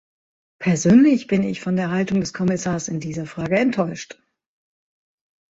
Persönlich bin ich von der Haltung des Kommissars in dieser Frage enttäuscht.